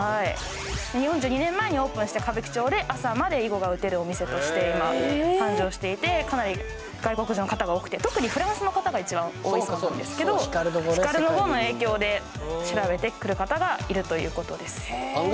４２年前にオープンして歌舞伎町で朝まで囲碁が打てるお店として今繁盛していてかなり外国人の方が多くて特にフランスの方が一番多いそうなんですけど「ヒカルの碁」の影響で調べて来る方がいるということです